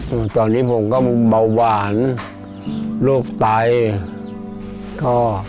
วัดรางบัวครับ